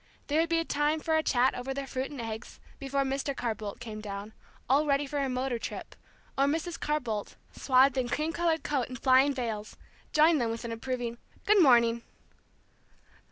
There would be time for a chat over their fruit and eggs before Mr. Carr Bolt came down, all ready for a motor trip, or Mrs. Carr Bolt, swathed in cream colored coat and flying veils, joined them with an approving "Good morning."